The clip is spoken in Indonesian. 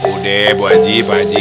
udah bu aji pak haji